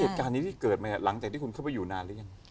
เหตุการณ์นี้ที่เกิดมาหลังจากที่คุณเข้าไปอยู่นานหรือยัง